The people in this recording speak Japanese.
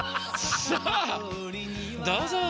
さあどうぞ。